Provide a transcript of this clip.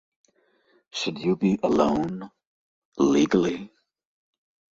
Should you be alone? Legally?